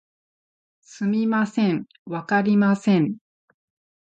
すみません、わかりません